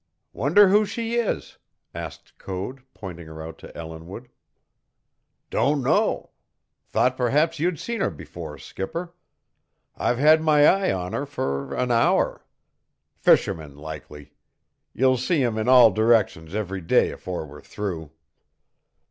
"Wonder who she is?" asked Code, pointing her out to Ellinwood. "Don't know. Thought perhaps you'd seen her before, skipper. I've had my eye on her for an hour. Fisherman, likely; you'll see 'em in all directions every day afore we're through."